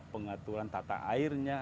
pengaturan tata airnya